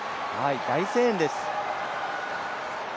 大声援です。